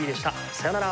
さようなら。